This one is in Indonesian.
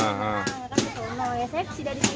saya dari sini yang diserang